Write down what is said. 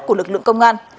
của lực lượng công an